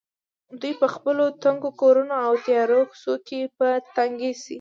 دوی په خپلو تنګو کورونو او تیارو کوڅو کې په تنګ شي.